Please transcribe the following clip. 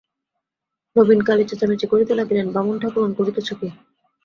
নবীনকালী চেঁচামেচি করিতে লাগিলেন, বামুন-ঠাকরুন, করিতেছ কী!